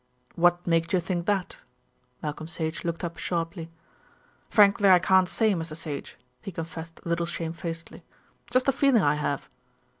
"What makes you think that?" Malcolm Sage looked up sharply. "Frankly, I can't say, Mr. Sage," he confessed a little shamefacedly, "it's just a feeling I have."